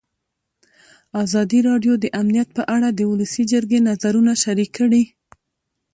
ازادي راډیو د امنیت په اړه د ولسي جرګې نظرونه شریک کړي.